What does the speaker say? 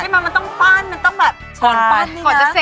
ใช่ไหมมันต้องปั้นมันต้องแบบชนปั้นนี่นะ